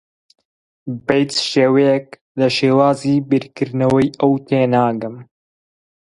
بە هیچ شێوەیەک لە شێوازی بیرکردنەوەی ئەو تێناگەم.